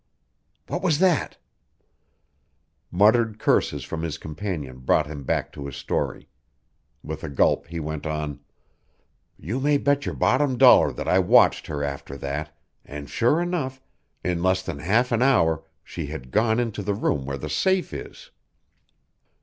What was that!" Muttered curses from his companion brought him back to his story. With a gulp he went on: "You may bet your bottom dollar that I watched her after that, and sure enough, in less than half an hour she had gone into the room where the safe is.